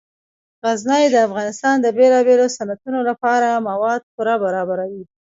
غزني د افغانستان د بیلابیلو صنعتونو لپاره مواد پوره برابروي.